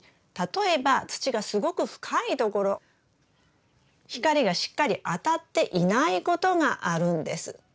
例えば土がすごく深いところ光がしっかり当たっていないことがあるんです。